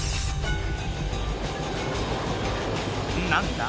何だ？